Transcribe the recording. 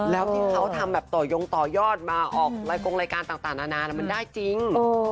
แล้วที่เขาทำแบบต่อยงต่อยอดมาออกรายกงรายการต่างนานามันได้จริง